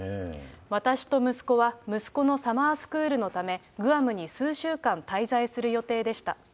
私と息子は息子のサマースクールのため、グアムに数週間滞在する予定でした。